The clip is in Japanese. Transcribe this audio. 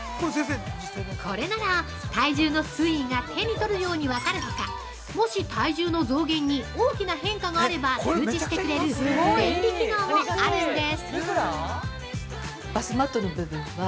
◆これなら、体重の推移が手に取るように分かるほか、もし体重の増減に大きな変化があれば、通知してくれる便利機能もあるんです。